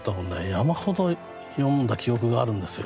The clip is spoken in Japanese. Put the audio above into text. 山ほど読んだ記憶があるんですよ。